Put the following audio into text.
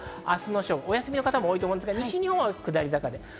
お休みの方も多いと思うんですが、西日本は下り坂です。